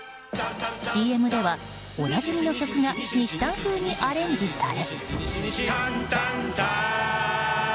ＣＭでは、おなじみの曲がにしたん風にアレンジされ。